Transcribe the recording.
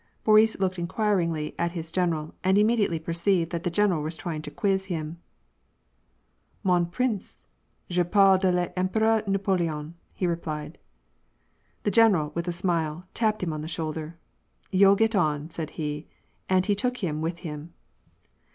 Boris looked inquiringly at his general, and immediately perceived that the general was trying to quiz him. " Man prince^ je parle de VEmpereiir Napoleon" he replied. The general, with a smile, tapped him on the shoulder. "Youll get on," said he, and he took him with him.